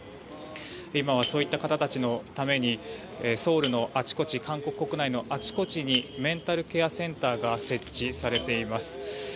今は、そういった方たちのためにソウルのあちこち韓国国内のあちこちにメンタルケアセンターが設置されています。